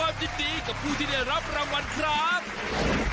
โอ้หูเยอะมากค่ะเยอะมาก